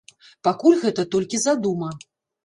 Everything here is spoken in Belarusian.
Пакуль гэта толькі задума.